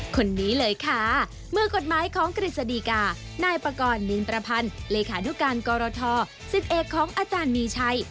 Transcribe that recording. คนนี้เลยค่ะเมื่อกฎหมายของกฤษฎีกานายปากรนินประพันธ์เลขานุการกรท๑๑ของอาจารย์มีชัย